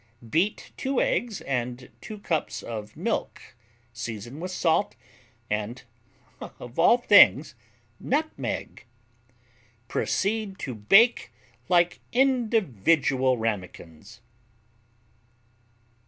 Beat 2 eggs with 2 cups of milk, season with salt and of all things nutmeg! Proceed to bake like individual Ramekins.